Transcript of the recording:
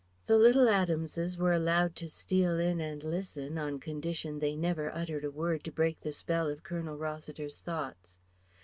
The little Adamses were allowed to steal in and listen, on condition they never uttered a word to break the spell of Colonel Rossiter's thoughts.